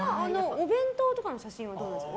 お弁当とかの写真とかはどうですか？